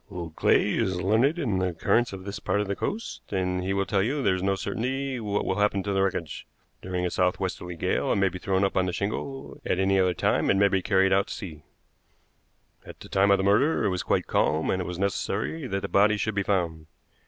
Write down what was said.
Old Clay is learned in the currents of this part of the coast, and he will tell you there is no certainty what will happen to wreckage. During a southwesterly gale it may be thrown up on the shingle; at any other time it may be carried out to sea. "At the time of the murder it was quite calm, and it was necessary that the body should be found.